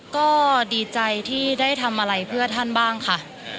ก็ดีใจที่ได้ทำอะไรเพื่อท่านบ้างค่ะ